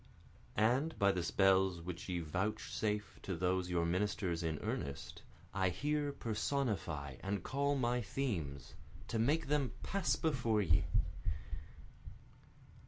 And by the spells which ye vouchsafe to those your ministers in earnest, I here personify and call my themes, to make them pass before ye.